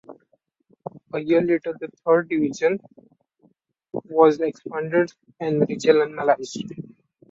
A year later the Third Division was expanded and regionalised.